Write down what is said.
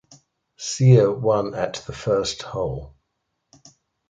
Hsieh won at the first hole.